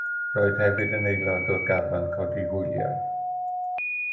Roedd hefyd yn aelod o'r garfan codi hwyliau.